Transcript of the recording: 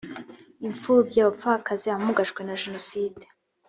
imfubyi abapfakazi abamugajwe na jenoside